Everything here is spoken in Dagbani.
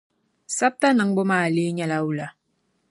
Sabta niŋbu maa lee nyɛ la wula?